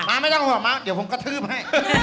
มะไม่ต้องห่อมะเดี๋ยวผมกระทืบให้